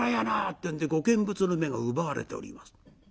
ってんでご見物の目が奪われております。